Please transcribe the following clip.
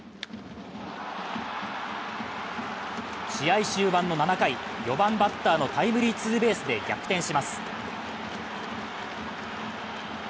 試合終盤の７回、４番、バッターのタイムリーツーベースで逆転します。